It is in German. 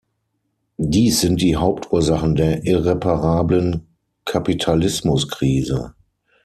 Dies sind die Hauptursachen der irreparablen Kapitalismuskrise.